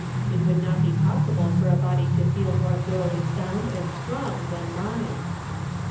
It would not be possible for a body to feel more thoroughly sound and strong than mine."